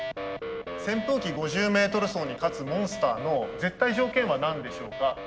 「扇風機５０Ｍ走」に勝つモンスターの絶対条件は何でしょうか。